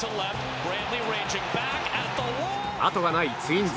あとがないツインズ。